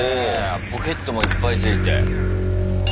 ポケットもいっぱい付いて。